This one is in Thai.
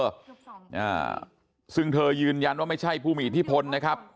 อ่าซึ่งเธอยืนยันว่าไม่ใช่ผู้มีอิทธิพลนะครับ